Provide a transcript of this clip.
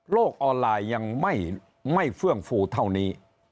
ออนไลน์ยังไม่เฟื่องฟูเท่านี้